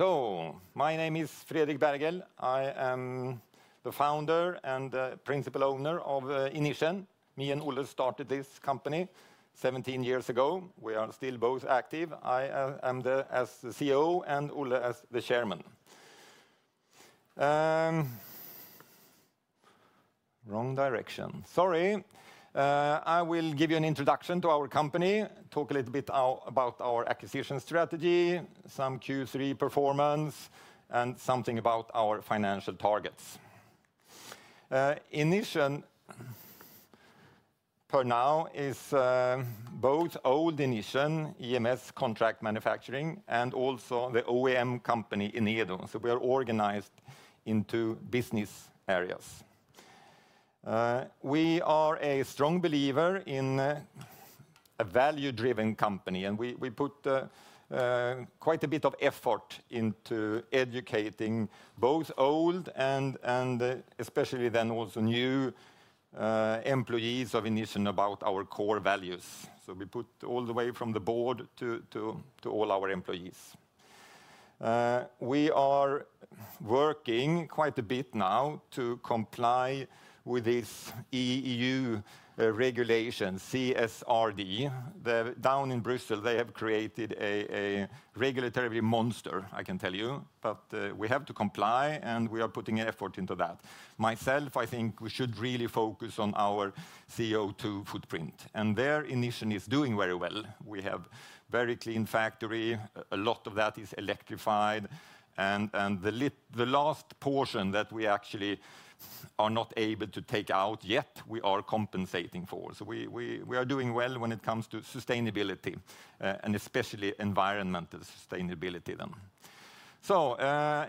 My name is Fredrik Berghel. I am the founder and principal owner of Inission. Me and Olle started this company 17 years ago. We are still both active. I am there as the CEO and Olle as the chairman. Wrong direction. Sorry. I will give you an introduction to our company, talk a little bit about our acquisition strategy, some Q3 performance, and something about our financial targets. Inission, for now, is both old Inission, EMS contract manufacturing, and also the OEM company Enedo. We are organized into business areas. We are a strong believer in a value-driven company, and we put quite a bit of effort into educating both old and especially then also new employees of Inission about our core values. We put all the way from the board to all our employees. We are working quite a bit now to comply with this EU regulation, CSRD. Down in Brussels, they have created a regulatory monster, I can tell you, but we have to comply, and we are putting effort into that. Myself, I think we should really focus on our CO2 footprint, and there Inission is doing very well. We have a very clean factory. A lot of that is electrified, and the last portion that we actually are not able to take out yet, we are compensating for. So we are doing well when it comes to sustainability, and especially environmental sustainability then. So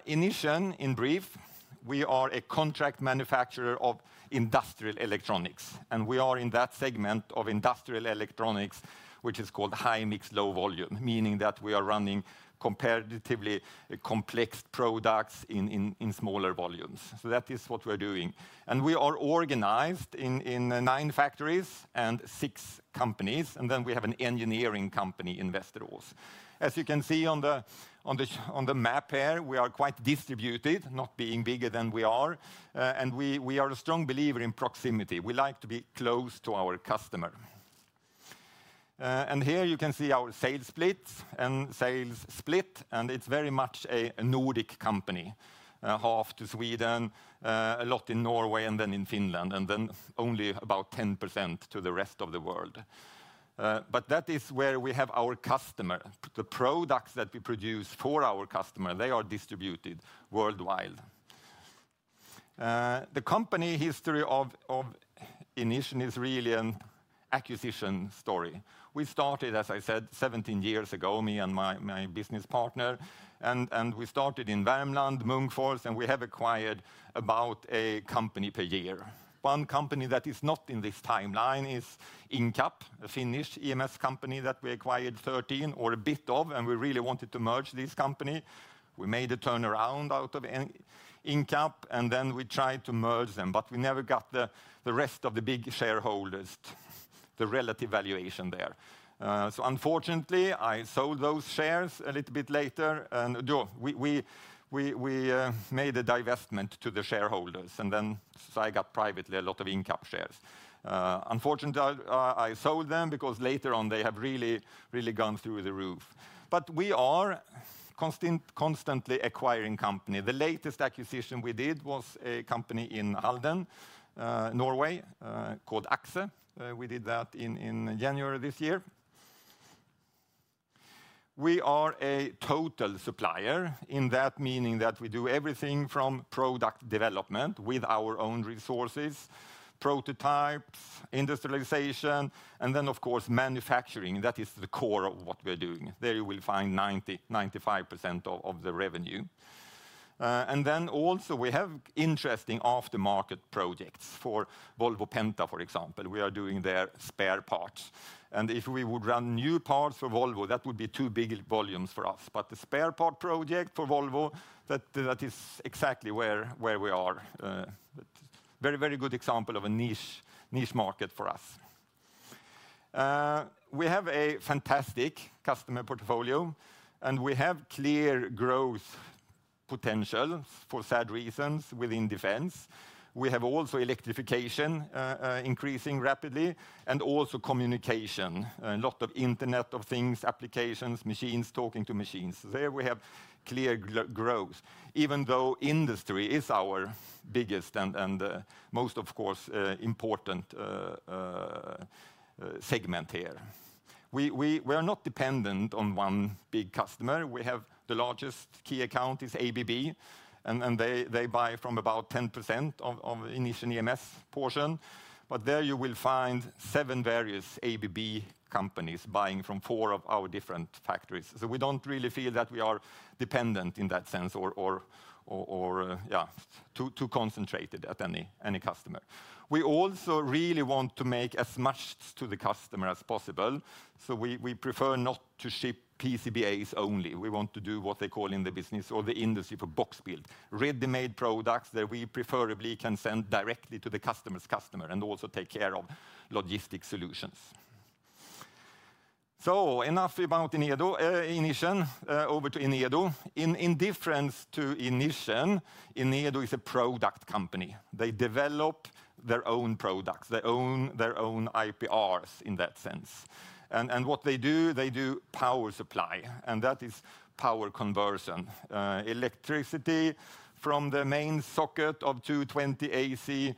Inission, in brief, we are a contract manufacturer of industrial electronics, and we are in that segment of industrial electronics, which is called high mix, low volume, meaning that we are running comparatively complex products in smaller volumes. So that is what we're doing. We are organized in nine factories and six companies, and then we have an engineering company in Västerås. As you can see on the map here, we are quite distributed, not being bigger than we are, and we are a strong believer in proximity. We like to be close to our customer. Here you can see our sales split, and it's very much a Nordic company, half to Sweden, a lot in Norway, and then in Finland, and then only about 10% to the rest of the world. That is where we have our customer. The products that we produce for our customer, they are distributed worldwide. The company history of Inission is really an acquisition story. We started, as I said, 17 years ago, me and my business partner, and we started in Värmland, Munkfors, and we have acquired about a company per year. One company that is not in this timeline is Incap, a Finnish EMS company that we acquired 13 or a bit of, and we really wanted to merge this company. We made a turnaround out of Incap, and then we tried to merge them, but we never got the rest of the big shareholders, the relative valuation there. So unfortunately, I sold those shares a little bit later, and we made a divestment to the shareholders, and then I got privately a lot of Incap shares. Unfortunately, I sold them because later on they have really, really gone through the roof. But we are constantly acquiring companies. The latest acquisition we did was a company in Halden, Norway, called AXXE. We did that in January this year. We are a total supplier in that meaning that we do everything from product development with our own resources, prototypes, industrialization, and then, of course, manufacturing. That is the core of what we're doing. There you will find 90%-95% of the revenue, and then also we have interesting aftermarket projects for Volvo Penta, for example. We are doing their spare parts, and if we would run new parts for Volvo, that would be too big volumes for us, but the spare part project for Volvo, that is exactly where we are. Very, very good example of a niche market for us. We have a fantastic customer portfolio, and we have clear growth potential for sad reasons within defense. We have also electrification increasing rapidly and also communication, a lot of Internet of Things applications, machines talking to machines. There we have clear growth, even though industry is our biggest and most, of course, important segment here. We are not dependent on one big customer. We have the largest key account is ABB, and they buy from about 10% of Inission EMS portion. But there you will find seven various ABB companies buying from four of our different factories. So we don't really feel that we are dependent in that sense or too concentrated at any customer. We also really want to make as much to the customer as possible. So we prefer not to ship PCBAs only. We want to do what they call in the business or the industry for box build, ready-made products that we preferably can send directly to the customer's customer and also take care of logistics solutions. So enough about Enedo. Inission, over to Enedo. In difference to Inission, Enedo is a product company. They develop their own products, their own IPRs in that sense. And what they do, they do power supply, and that is power conversion. Electricity from the main socket of 220 AC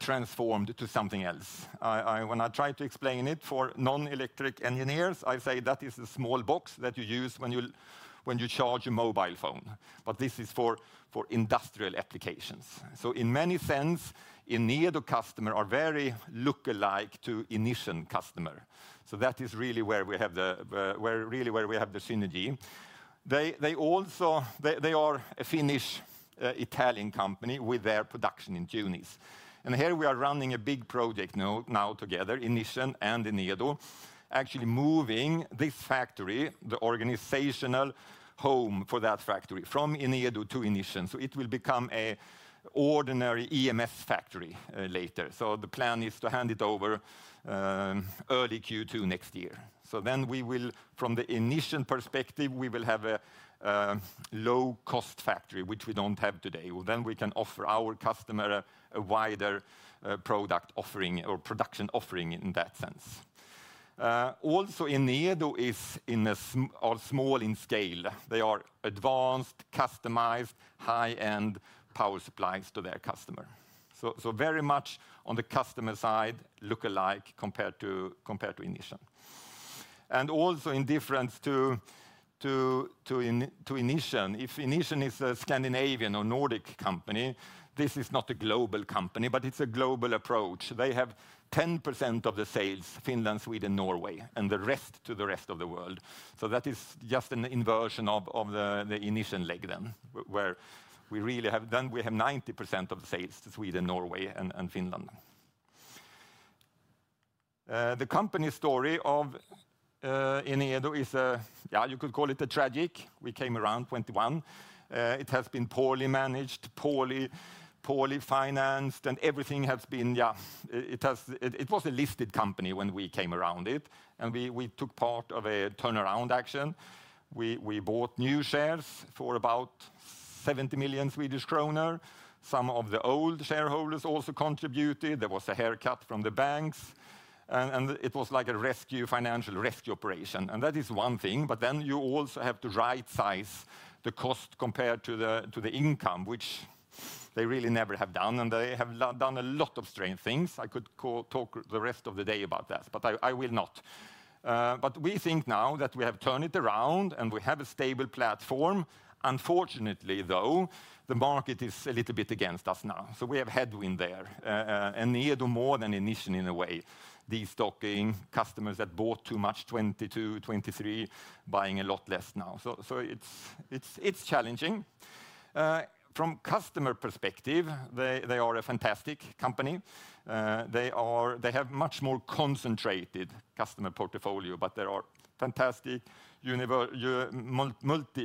transformed to something else. When I try to explain it for non-electric engineers, I say that is a small box that you use when you charge your mobile phone, but this is for industrial applications. So in many sense, Enedo customer are very lookalike to Inission customer. So that is really where we have the synergy. They are a Finnish-Italian company with their production in Tunis. And here we are running a big project now together, Inission and Enedo, actually moving this factory, the organizational home for that factory from Enedo to Inission. So it will become an ordinary EMS factory later. The plan is to hand it over early Q2 next year. So then from the Inission perspective, we will have a low-cost factory, which we don't have today. Then we can offer our customer a wider product offering or production offering in that sense. Also, Enedo is small in scale. They are advanced, customized, high-end power supplies to their customer. So very much on the customer side, lookalike compared to Inission. And also in difference to Inission, if Inission is a Scandinavian or Nordic company, this is not a global company, but it's a global approach. They have 10% of the sales, Finland, Sweden, Norway, and the rest to the rest of the world. So that is just an inversion of the Inission leg then, where we really have 90% of the sales to Sweden, Norway, and Finland. The company story of Enedo is, yeah, you could call it a tragedy. We came around 2021. It has been poorly managed, poorly financed, and everything has been, yeah, it was a listed company when we came around it, and we took part of a turnaround action. We bought new shares for about 70 million Swedish kronor. Some of the old shareholders also contributed. There was a haircut from the banks, and it was like a financial rescue operation. That is one thing, but then you also have to right-size the cost compared to the income, which they really never have done, and they have done a lot of strange things. I could talk the rest of the day about that, but I will not. We think now that we have turned it around and we have a stable platform. Unfortunately, though, the market is a little bit against us now. So we have headwind there. Enedo more than Inission in a way. De-stocking customers that bought too much 2022, 2023, buying a lot less now. So it's challenging. From a customer perspective, they are a fantastic company. They have a much more concentrated customer portfolio, but there are fantastic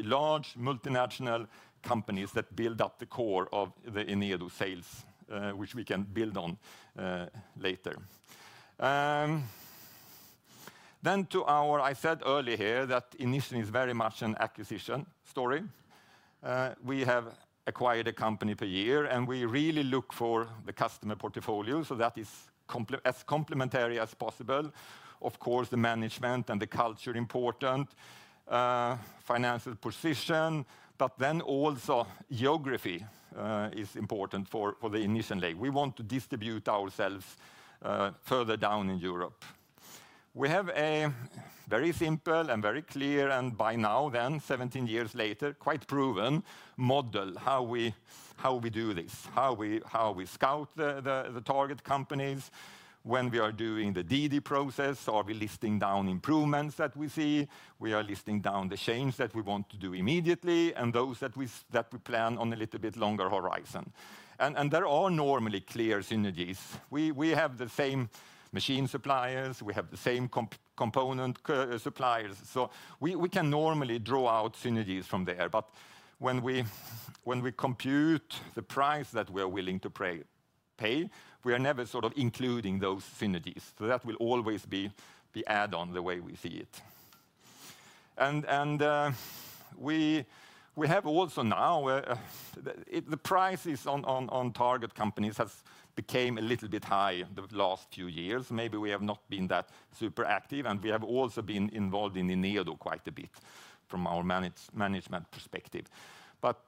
large multinational companies that build up the core of the Enedo sales, which we can build on later. Then to our, I said earlier here that Inission is very much an acquisition story. We have acquired a company per year, and we really look for the customer portfolio. So that is as complementary as possible. Of course, the management and the culture are important, financial position, but then also geography is important for the Inission leg. We want to distribute ourselves further down in Europe. We have a very simple and very clear, and by now then, 17 years later, quite proven model how we do this, how we scout the target companies when we are doing the DD process. We are listing down improvements that we see. We are listing down the changes that we want to do immediately, and those that we plan on a little bit longer horizon. And there are normally clear synergies. We have the same machine suppliers. We have the same component suppliers. So we can normally draw out synergies from there, but when we compute the price that we are willing to pay, we are never sort of including those synergies. So that will always be an add-on the way we see it. And we have also now the prices on target companies have become a little bit higher the last few years. Maybe we have not been that super active, and we have also been involved in Enedo quite a bit from our management perspective. But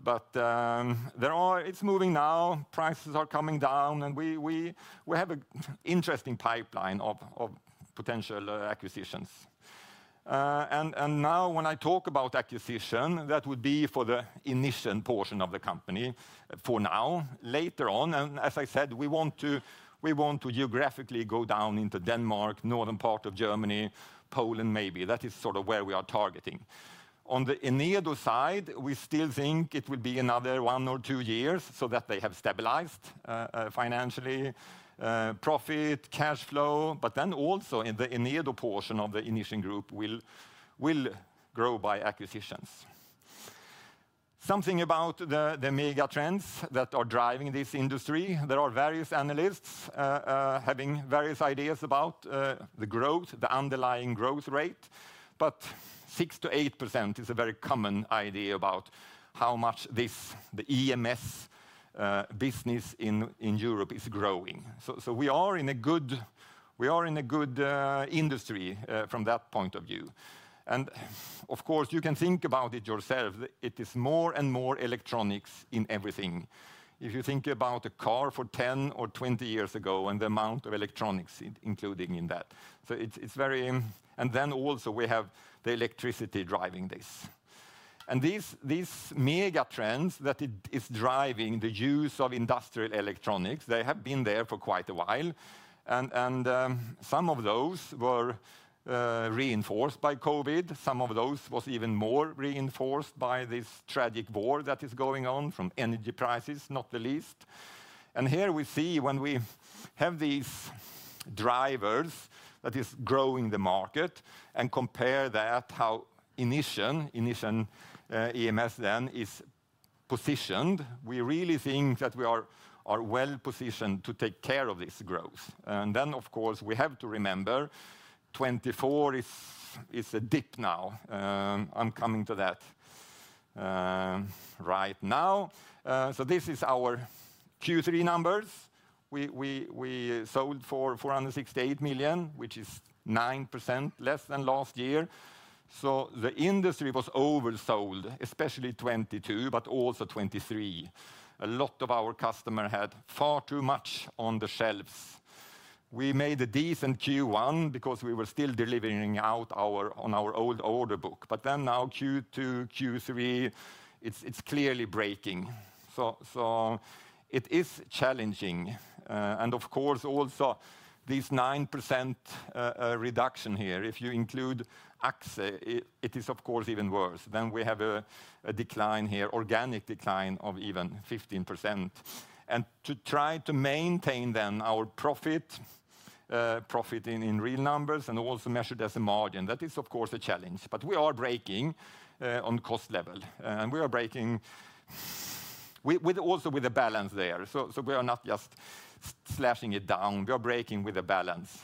it's moving now. Prices are coming down, and we have an interesting pipeline of potential acquisitions. And now when I talk about acquisition, that would be for the Inission portion of the company for now. Later on, and as I said, we want to geographically go down into Denmark, northern part of Germany, Poland maybe. That is sort of where we are targeting. On the Enedo side, we still think it will be another one or two years so that they have stabilized financially, profit, cash flow, but then also in the Enedo portion of the Inission group will grow by acquisitions. Something about the mega trends that are driving this industry. There are various analysts having various ideas about the growth, the underlying growth rate, but 6%-8% is a very common idea about how much the EMS business in Europe is growing. So we are in a good industry from that point of view. And of course, you can think about it yourself. It is more and more electronics in everything. If you think about a car for 10 or 20 years ago and the amount of electronics included in that. And then also we have the electricity driving this. And these mega trends that are driving the use of industrial electronics, they have been there for quite a while. And some of those were reinforced by COVID. Some of those were even more reinforced by this tragic war that is going on from energy prices, not the least. Here we see when we have these drivers that are growing the market and compare that how Inission, Inission EMS then is positioned. We really think that we are well positioned to take care of this growth. Then of course, we have to remember 2024 is a dip now. I'm coming to that right now. This is our Q3 numbers. We sold for 468 million, which is 9% less than last year. The industry was oversold, especially 2022, but also 2023. A lot of our customers had far too much on the shelves. We made a decent Q1 because we were still delivering out on our old order book. But then now Q2, Q3, it's clearly breaking. It is challenging. Of course, also this 9% reduction here, if you include Axe, it is of course even worse. Then we have a decline here, organic decline of even 15%. And to try to maintain then our profit, profit in real numbers and also measured as a margin, that is of course a challenge. But we are breaking on cost level. And we are breaking also with a balance there. So we are not just slashing it down. We are breaking with a balance.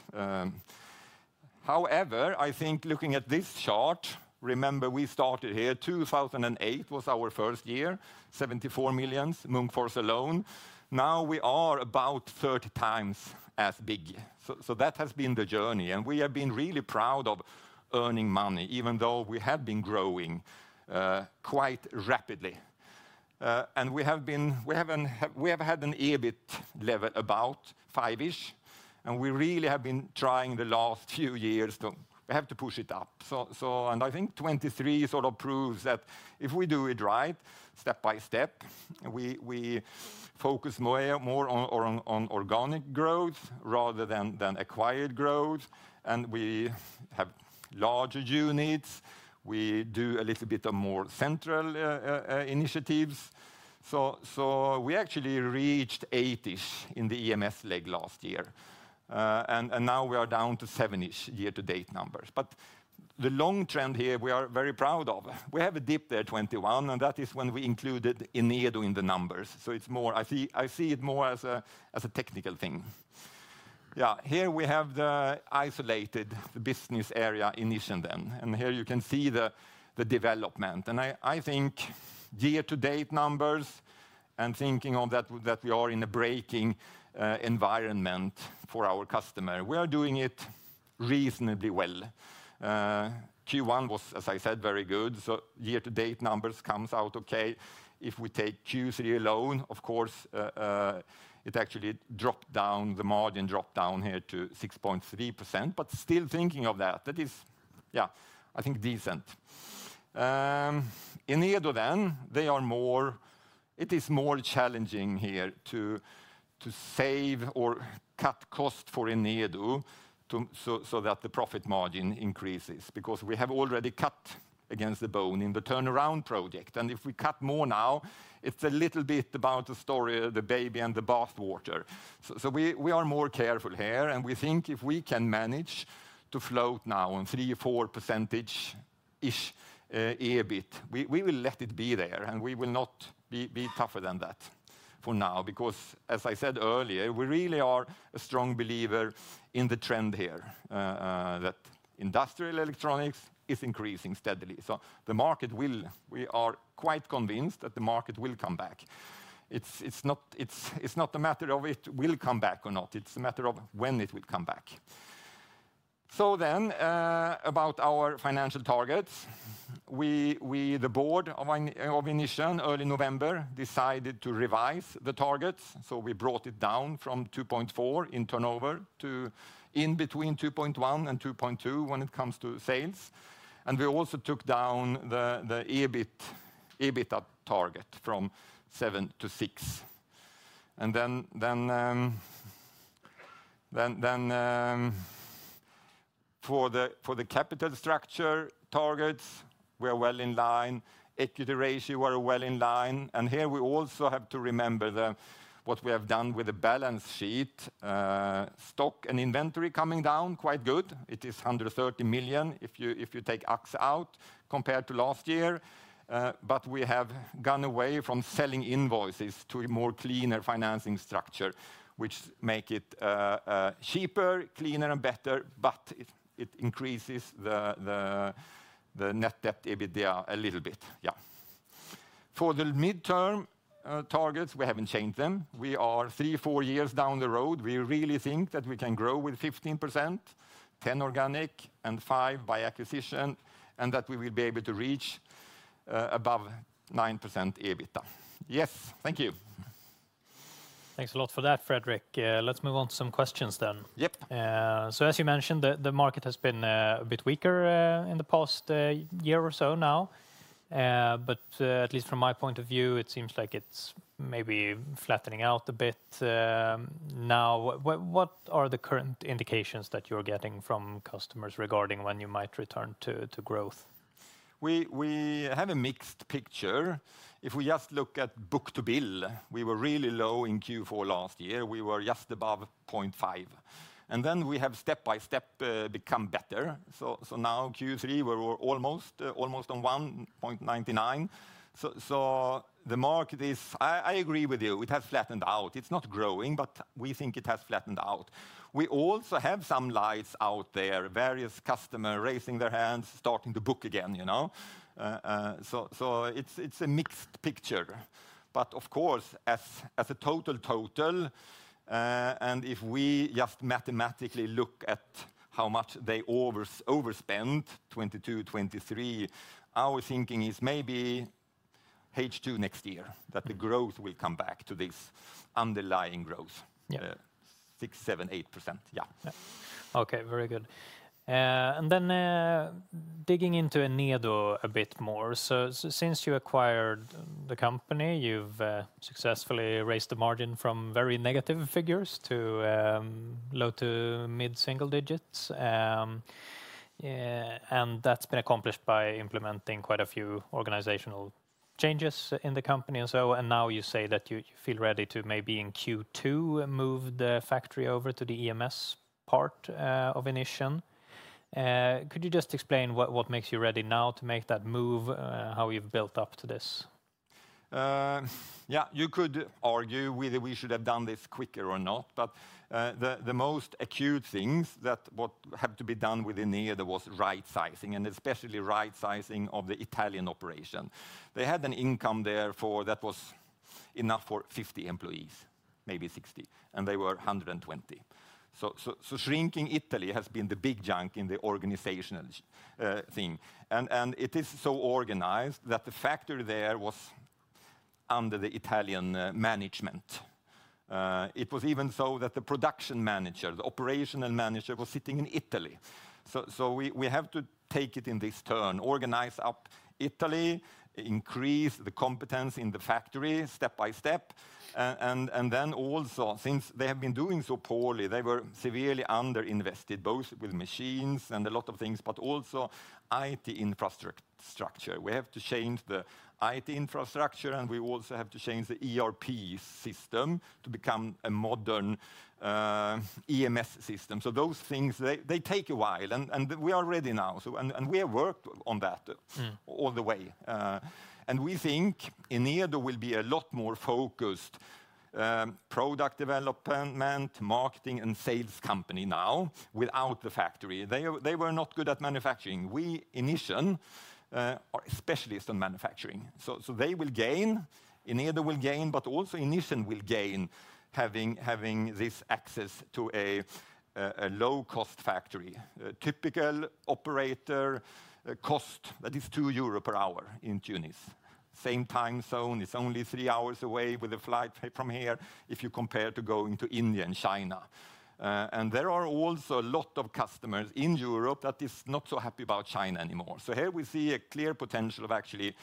However, I think looking at this chart, remember we started here, 2008 was our first year, 74 million SEK Munkfors alone. Now we are about 30 times as big. So that has been the journey. And we have been really proud of earning money, even though we have been growing quite rapidly. And we have had an EBIT level about five-ish. And we really have been trying the last few years to have to push it up. I think 2023 sort of proves that if we do it right, step by step, we focus more on organic growth rather than acquired growth. And we have larger units. We do a little bit of more central initiatives. So we actually reached 80 in the EMS leg last year. And now we are down to 70 year-to-date numbers. But the long trend here we are very proud of. We have a dip there 2021, and that is when we included Enedo in the numbers. So I see it more as a technical thing. Yeah, here we have the isolated business area Inission then. And here you can see the development. And I think year-to-date numbers and thinking of that we are in a breaking environment for our customer. We are doing it reasonably well. Q1 was, as I said, very good. So year-to-date numbers come out okay. If we take Q3 alone, of course, it actually dropped down, the margin dropped down here to 6.3%, but still thinking of that, that is, yeah, I think decent. Enedo then, it is more challenging here to save or cut cost for Enedo so that the profit margin increases because we have already cut against the bone in the turnaround project. And if we cut more now, it's a little bit about the story, the baby and the bathwater. So we are more careful here. And we think if we can manage to float now on 3%-4%-ish EBIT, we will let it be there. And we will not be tougher than that for now because, as I said earlier, we really are a strong believer in the trend here that industrial electronics is increasing steadily. So the market will, we are quite convinced that the market will come back. It's not a matter of it will come back or not. It's a matter of when it will come back. So then about our financial targets, the board of Inission early November decided to revise the targets. So we brought it down from 2.4 in turnover to in between 2.1 and 2.2 when it comes to sales. And we also took down the EBIT target from 7 to 6. And then for the capital structure targets, we are well in line. Equity ratio are well in line. And here we also have to remember what we have done with the balance sheet. Stock and inventory coming down quite good. It is 130 million if you take Axe out compared to last year. But we have gone away from selling invoices to a more cleaner financing structure, which makes it cheaper, cleaner, and better, but it increases the net debt EBITDA a little bit. Yeah. For the midterm targets, we haven't changed them. We are three, four years down the road. We really think that we can grow with 15%, 10% organic and 5% by acquisition, and that we will be able to reach above 9% EBITDA. Yes, thank you. Thanks a lot for that, Fredrik. Let's move on to some questions then. Yep. So as you mentioned, the market has been a bit weaker in the past year or so now. But at least from my point of view, it seems like it's maybe flattening out a bit now. What are the current indications that you're getting from customers regarding when you might return to growth? We have a mixed picture. If we just look at book-to-bill, we were really low in Q4 last year. We were just above 0.5, and then we have step by step become better, so now Q3, we were almost on 1.99, so the market is, I agree with you, it has flattened out. It's not growing, but we think it has flattened out. We also have some leads out there, various customers raising their hands, starting to book again, so it's a mixed picture, but of course, as a total, and if we just mathematically look at how much they overspent 2022, 2023, our thinking is maybe H2 next year, that the growth will come back to this underlying growth, 6%, 7%, 8%. Yeah. Okay, very good, and then digging into Enedo a bit more. So since you acquired the company, you've successfully raised the margin from very negative figures to low to mid-single digits. And that's been accomplished by implementing quite a few organizational changes in the company and so. And now you say that you feel ready to maybe in Q2 move the factory over to the EMS part of Inission. Could you just explain what makes you ready now to make that move, how you've built up to this? Yeah, you could argue whether we should have done this quicker or not. But the most acute things that had to be done with Enedo was right-sizing, and especially right-sizing of the Italian operation. They had an income there that was enough for 50 employees, maybe 60, and they were 120. So shrinking Italy has been the big chunk in the organizational thing. It is so organized that the factory there was under the Italian management. It was even so that the production manager, the operational manager was sitting in Italy. We have to take it in this turn, organize up Italy, increase the competence in the factory step by step. Then also, since they have been doing so poorly, they were severely underinvested, both with machines and a lot of things, but also IT infrastructure. We have to change the IT infrastructure, and we also have to change the ERP system to become a modern EMS system. Those things, they take a while, and we are ready now. We have worked on that all the way. We think Enedo will be a lot more focused product development, marketing, and sales company now without the factory. They were not good at manufacturing. We, Inission, are specialists in manufacturing. So they will gain, Enedo will gain, but also Inission will gain having this access to a low-cost factory. Typical operator cost, that is 2 euro per hour in Tunis. Same time zone, it's only three hours away with a flight from here if you compare to going to India and China. And there are also a lot of customers in Europe that are not so happy about China anymore. So here we see a clear potential of actually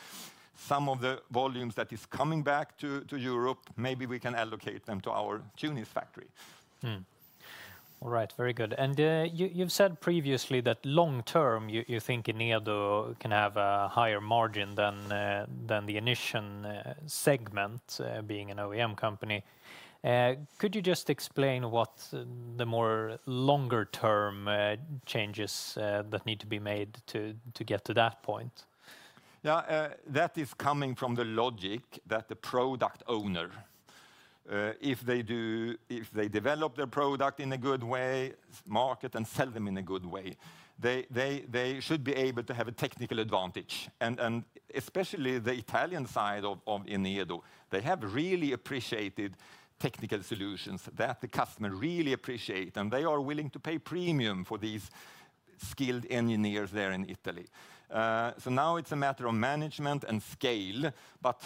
some of the volumes that are coming back to Europe, maybe we can allocate them to our Tunis factory. All right, very good. And you've said previously that long term, you think Enedo can have a higher margin than the Inission segment being an OEM company. Could you just explain what the more longer-term changes that need to be made to get to that point? Yeah, that is coming from the logic that the product owner, if they develop their product in a good way, market and sell them in a good way, they should be able to have a technical advantage. And especially the Italian side of Enedo, they have really appreciated technical solutions that the customer really appreciates. And they are willing to pay premium for these skilled engineers there in Italy. So now it's a matter of management and scale. But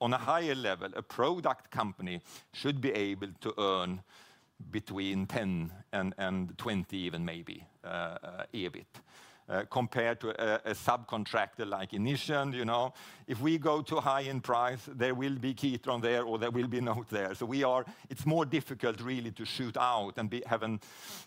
on a higher level, a product company should be able to earn between 10 and 20 even maybe EBIT compared to a subcontractor like Inission. If we go too high in price, there will be Kitron there or there will be NOTE there. So it's more difficult really to shoot out and have a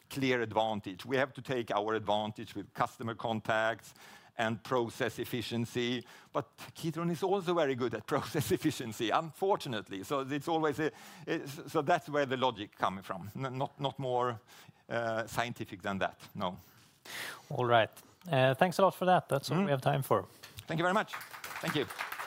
clear advantage. We have to take our advantage with customer contacts and process efficiency. But Kitron is also very good at process efficiency, unfortunately. So that's where the logic is coming from. Not more scientific than that, no. All right. Thanks a lot for that. That's all we have time for. Thank you very much. Thank you.